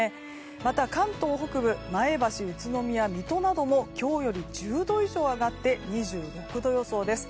また関東北部前橋、宇都宮、水戸なども今日より１０度以上上がって２６度予想です。